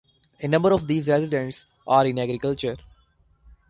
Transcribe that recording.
A number of the residents are in agriculture.